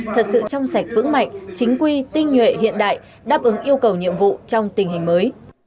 thật sự trong sạch vững mạnh chính quy tinh nhuệ hiện đại đáp ứng yêu cầu nhiệm vụ trong tình hình mới